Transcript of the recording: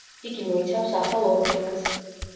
იგი მოიცავ ახალ ორლეანს.